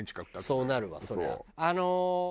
そうなるわそりゃ。